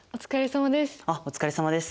お疲れさまです。